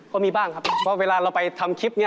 ก็มีบ้างครับเพราะเวลาเราไปทำคลิปนี้